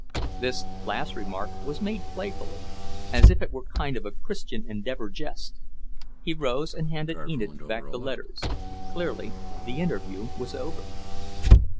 This last remark was made playfully, as if it were a kind of Christian Endeavour jest. He rose and handed Enid back the letters. Clearly, the interview was over.